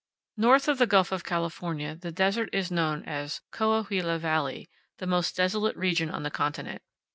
North of the Gulf of California the desert is known as "Coahuila Valley," the most desolate region on the continent.